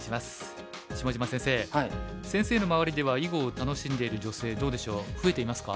下島先生先生の周りでは囲碁を楽しんでいる女性どうでしょう増えていますか？